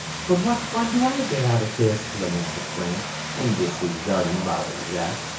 "But what fun do I get out of this?" lamented Frank, enviously regarding Bob and Jack.